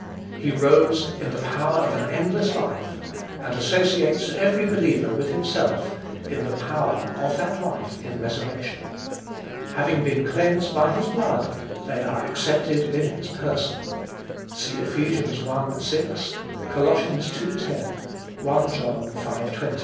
He rose "in the power of an endless life," and associates every believer with himself, in the power of that life in resurrection. Having been cleansed by his blood, they are accepted in his person. (See Eph. i. 6; Col. ii. 10; 1 John v. 20.)